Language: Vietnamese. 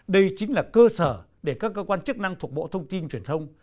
đây chính là cơ sở để các cơ quan chức năng thuộc bộ thông tin truyền thông